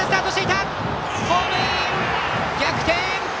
ホームイン！逆転！